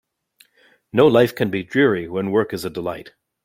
No life can be dreary when work is a delight.